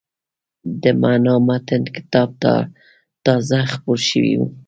د «معنای متن» کتاب تازه خپور شوی و.